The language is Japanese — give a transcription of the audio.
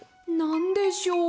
なんでしょう？